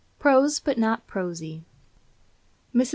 PROSE, BUT NOT PROSY. Mrs.